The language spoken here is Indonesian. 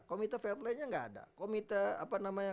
komite fair playnya gak ada